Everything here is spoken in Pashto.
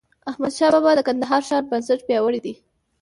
احمدشاه بابا د کندهار ښار بنسټ پیاوړی کړ.